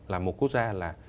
là một quốc gia